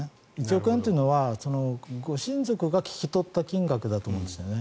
１億円というのは親族が聞き取った金額だと思うんですよね。